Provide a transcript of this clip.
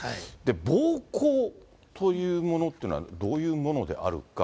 暴行というものっていうのは、どういうものであるか。